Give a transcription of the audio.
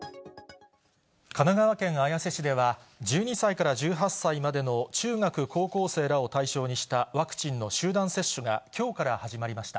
神奈川県綾瀬市では、１２歳から１８歳までの中学・高校生らを対象にしたワクチンの集団接種がきょうから始まりました。